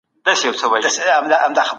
تاریخ د عبرت اخیستلو ځای دی.